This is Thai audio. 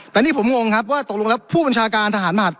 แต่นี่ผมงงครับว่าตกลงแล้วผู้บัญชาการทหารมหาด